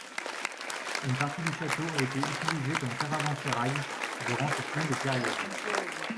Une partie du château a été utilisée comme caravansérail durant cette longue période.